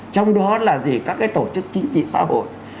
trong đó là gì các cái tổ chức chính trị xã hội